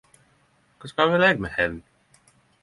Kva skal vel eg med hemn?